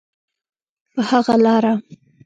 په هغه لاره.